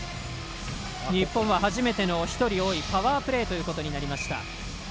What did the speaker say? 日本は初めての１人多いパワープレーとなりました。